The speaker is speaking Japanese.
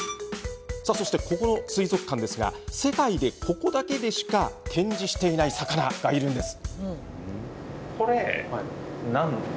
そして、この水族館世界でここだけでしか展示していない魚がいるんです。